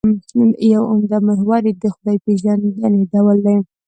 یو عمده محور یې خدای پېژندنې ډول دی.